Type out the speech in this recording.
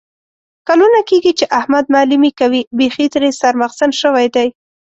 کلونه کېږي چې احمد معلیمي کوي. بیخي ترې سر مغزن شوی دی.